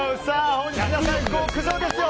本日皆さん、極上ですよ！